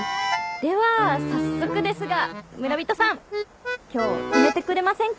では早速ですが村人さん。今日泊めてくれませんか？